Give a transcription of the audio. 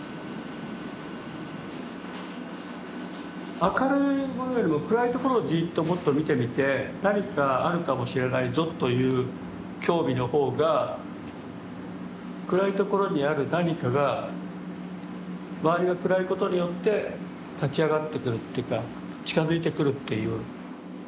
明るいものよりも暗い所をじっともっと見てみて何かあるかもしれないぞという興味の方が暗い所にある何かが周りが暗いことによって立ち上がってくるというか近づいてくるっていう。